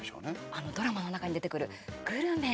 あのドラマの中に出てくるグルメ。